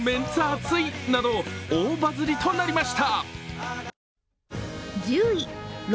熱いなど大バズりとなりました。